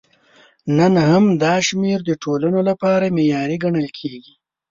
نن هم دا شمېر د ټولنو لپاره معیاري ګڼل کېږي.